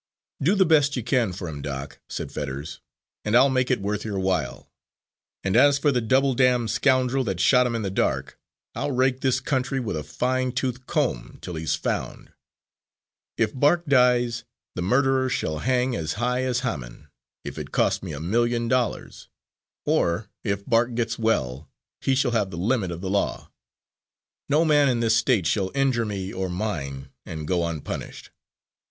"Do the best you can for him, Doc," said Fetters, "and I'll make it worth your while. And as for the double damned scoundrel that shot him in the dark, I'll rake this county with a fine toothed comb till he's found. If Bark dies, the murderer shall hang as high as Haman, if it costs me a million dollars, or, if Bark gets well, he shall have the limit of the law. No man in this State shall injure me or mine and go unpunished."